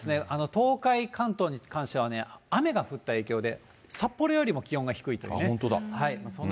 東海、関東に関しては、雨が降った影響で、札幌よりも気温が低いという本当だ。